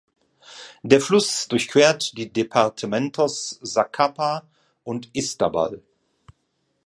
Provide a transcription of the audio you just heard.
Der Fluss durchquert die Departamentos Zacapa und Izabal.